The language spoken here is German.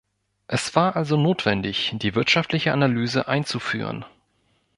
Es war also notwendig, die wirtschaftliche Analyse einzuführen.